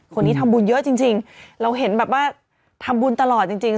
คนนี้ทำบุญเยอะจริงเราเห็นแบบว่าทำบุญตลอดจริง